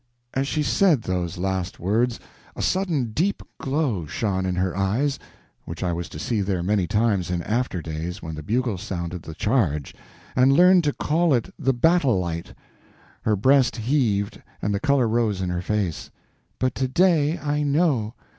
As she said those last words a sudden deep glow shone in her eyes, which I was to see there many times in after days when the bugles sounded the charge and learn to call it the battle light. Her breast heaved, and the color rose in her face. "But to day I know.